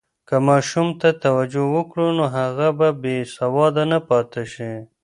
که ماشوم ته توجه وکړو، نو هغه به بې سواده نه پاتې شي.